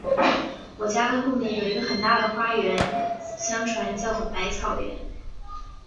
我家的后面有一个很大的园，相传叫作百草园